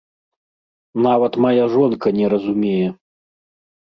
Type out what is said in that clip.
Нават мая жонка не разумее.